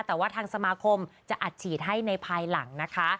แต่ว่าทางสมาคมจะอัดฉีดให้ในภายหลังนะคะ